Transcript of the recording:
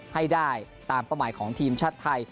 ให้ได้ตามเป้าหมายของทีมชาติไทย